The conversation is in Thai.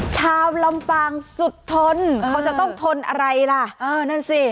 ชาวลำปางสุดทนเขาจะต้องทนอะไรล่ะเออนั่นสิ